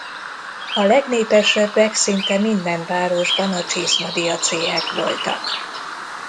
A legnépesebbek szinte minden városban a csizmadia céhek voltak.